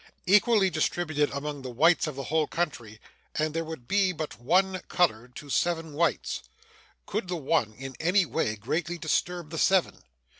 Equally distributed among the whites of the whole country, and there would be but one colored to seven whites. Could the one in any way greatly disturb the seven?